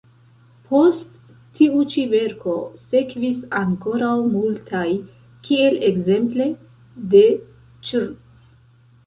Post tiu ĉi verko sekvis ankoraŭ multaj, kiel ekzemple de Chr.